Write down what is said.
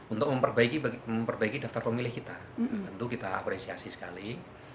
untuk memperbaiki daftar pemilih kita tentu kita apresiasi sekali